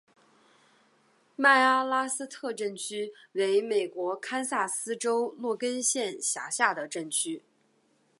麦阿拉斯特镇区为美国堪萨斯州洛根县辖下的镇区。